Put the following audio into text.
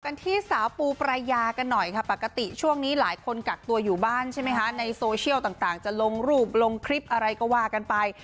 กันที่สาวปูปรายากันหน่อยค่ะปกติช่วงนี้หลายคนกักตัวอยู่บ้านใช่ไหมคะในโซเชียลต่างจะลงรูปลงคลิปอะไรก็ว่ากันไป